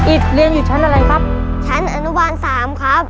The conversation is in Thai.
เรียนอยู่ชั้นอะไรครับชั้นอนุบาลสามครับ